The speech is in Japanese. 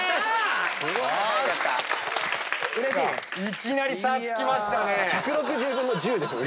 いきなり差つきましたね。